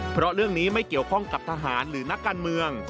เพราะเรื่องนี้ไม่เกี่ยวข้องกับทหารหรือนักการเมือง